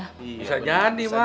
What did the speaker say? bisa jadi mak